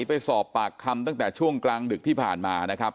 ไปสอบปากคำตั้งแต่ช่วงกลางดึกที่ผ่านมานะครับ